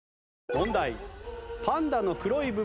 問題。